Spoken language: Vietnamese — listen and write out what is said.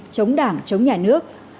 chống đảng chống nhà nước